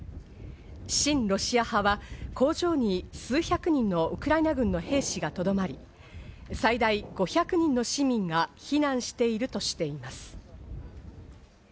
親ロシア派は、工場に数百人のウクライナ軍の兵士がとどまり、最大５００人の市民が避難しているとしています。